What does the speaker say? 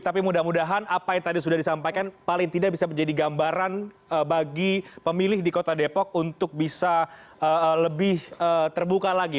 tapi mudah mudahan apa yang tadi sudah disampaikan paling tidak bisa menjadi gambaran bagi pemilih di kota depok untuk bisa lebih terbuka lagi